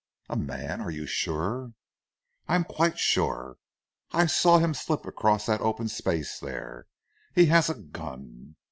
"A man. Are you sure?" "I am quite sure. I saw him slip across that open space there. He has a gun."